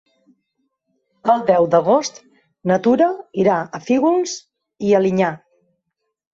El deu d'agost na Tura irà a Fígols i Alinyà.